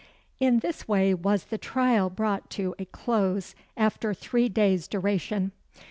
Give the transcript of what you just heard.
In this way was the trial brought to a close, after three days' duration.